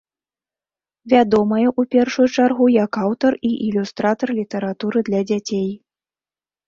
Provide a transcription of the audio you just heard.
Вядомая ў першую чаргу як аўтар і ілюстратар літаратуры для дзяцей.